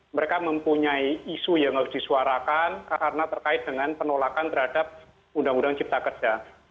mereka mempunyai isu yang harus disuarakan karena terkait dengan penolakan terhadap undang undang cipta kerja